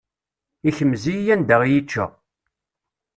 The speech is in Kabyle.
Ikmez-iyi anda i yi-ičča.